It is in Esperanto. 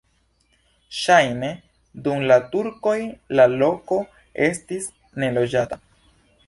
Ŝajne dum la turkoj la loko estis neloĝata.